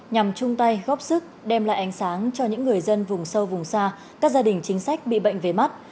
nhằm chung tay góp sức đem lại ánh sáng cho những người dân vùng sâu vùng xa các gia đình chính sách bị bệnh về mắt